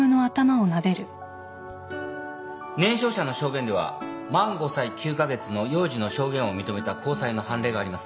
年少者の証言では満５歳９カ月の幼児の証言を認めた高裁の判例があります。